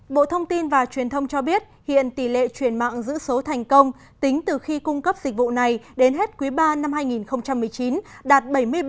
bộ thông tin và truyền thông cho biết hiện tỷ lệ chuyển mạng giữ số thành công tính từ khi cung cấp dịch vụ này đến hết quý ba năm hai nghìn một mươi chín đạt bảy mươi bảy